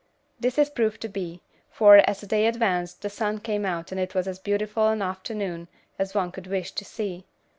This it proved to be, for, as the day advanced, the sun came out and it was as beautiful an afternoon as one could wish to see.